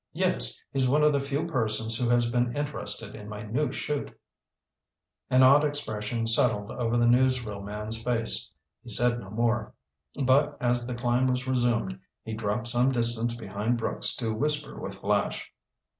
"Yes, he's one of the few persons who has been interested in my new 'chute." An odd expression settled over the newsreel man's face. He said no more. But, as the climb was resumed, he dropped some distance behind Brooks to whisper with Flash.